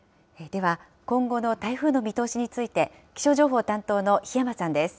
では、今後の台風の見通しについて、気象情報担当の檜山さんです。